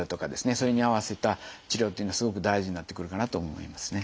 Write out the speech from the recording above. それに合わせた治療っていうのはすごく大事になってくるかなと思いますね。